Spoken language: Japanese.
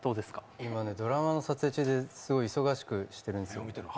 今ね、ドラマの撮影中で忙しくしてるんですよ。